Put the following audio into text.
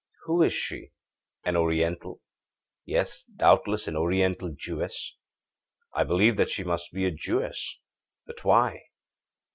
Who is she? An Oriental? Yes, doubtless an oriental Jewess! I believe that she must be a Jewess! But why?